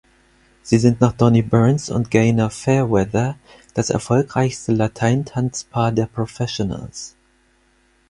Sie sind nach Donnie Burns und Gaynor Fairweather das erfolgreichste Latein-Tanzpaar der Professionals.